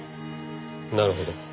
なるほど。